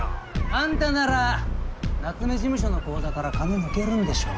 あんたなら夏目事務所の口座から金抜けるんでしょ？